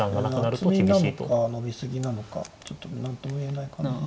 厚みなのか伸び過ぎなのかちょっと何とも言えない感じ。